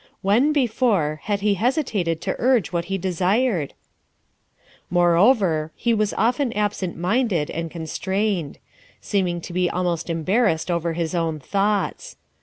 When, before, had he hesitated to urge what he desired ? Moreover, he was often absent minded and con strained ; seeming to be almost embarrassed over his own thoughts.